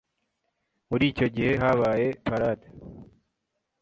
Muri icyo gihe habaye parade.